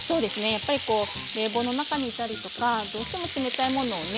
やっぱりこう冷房の中にいたりとかどうしても冷たいものをね